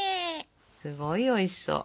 すごいおいしそう。